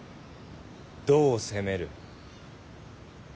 どう攻める。